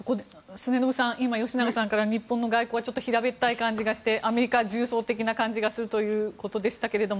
末延さん、吉永さんから日本の外交は平べったい感じがしてアメリカは重層的な感じがするということでしたけれども。